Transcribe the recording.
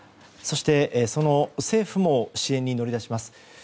そして政府も支援に乗り出します。